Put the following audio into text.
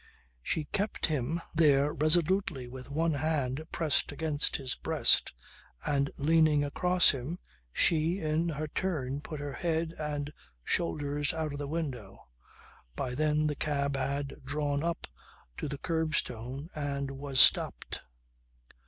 She kept him there resolutely with one hand pressed against his breast, and leaning across him, she, in her turn put her head and shoulders out of the window. By then the cab had drawn up to the curbstone and was stopped.